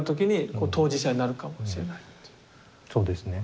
そうですね。